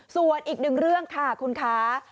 ส่วนอีกหนึ่งเรื่องค่ะคุณคะ